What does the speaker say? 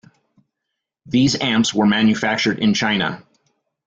These amps were manufactured in China.